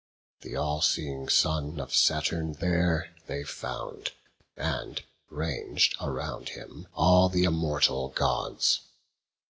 Th' all seeing son of Saturn there they found, And rang'd around him all th' immortal Gods.